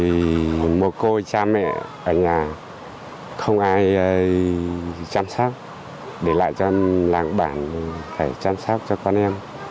thì một cô cha mẹ ở nhà không ai chăm sóc để lại cho làng bản phải chăm sóc cho con em